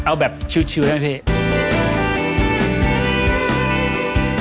เอาแบบชิวนะพี่